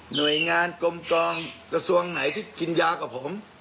หน่วยงานกลมจองกระทรวงไหนที่กินยากับผม